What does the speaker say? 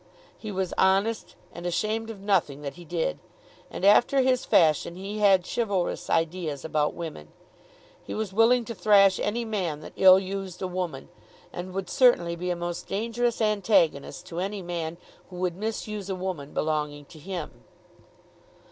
He was honest, and ashamed of nothing that he did. And after his fashion he had chivalrous ideas about women. He was willing to thrash any man that ill used a woman, and would certainly be a most dangerous antagonist to any man who would misuse a woman belonging to him.